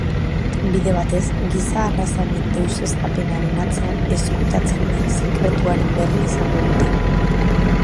Bide batez, giza arrazaren deuseztapenaren atzean ezkutatzen den sekretuaren berri izango dute.